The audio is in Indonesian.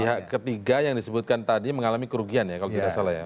pihak ketiga yang disebutkan tadi mengalami kerugian ya kalau tidak salah ya